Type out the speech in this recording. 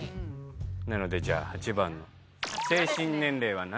なのでじゃあ８番の。